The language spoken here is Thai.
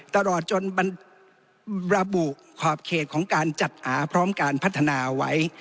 ตลอดจนมันระบุขอบเขตของการจัดหาพร้อมการพัฒนาไว้